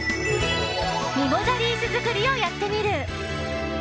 ミモザリース作りをやってみる。